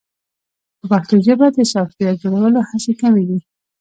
په پښتو ژبه د سافټویر جوړولو هڅې کمې دي.